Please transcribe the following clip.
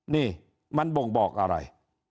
นี่มันบ่งบอกอะไร